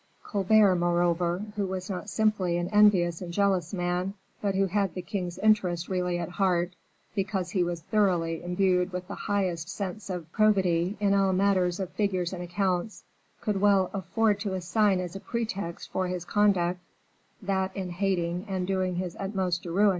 Colbert, moreover, who was not simply an envious and jealous man, but who had the king's interest really at heart, because he was thoroughly imbued with the highest sense of probity in all matters of figures and accounts, could well afford to assign as a pretext for his conduct, that in hating and doing his utmost to ruin M.